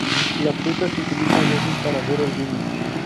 La fruta se utiliza a veces para hacer el vino.